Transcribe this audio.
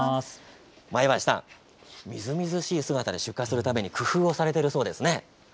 みずみずしい姿で出荷するために工夫をされているそうですね。